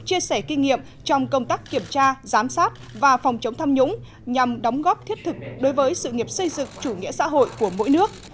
chia sẻ kinh nghiệm trong công tác kiểm tra giám sát và phòng chống tham nhũng nhằm đóng góp thiết thực đối với sự nghiệp xây dựng chủ nghĩa xã hội của mỗi nước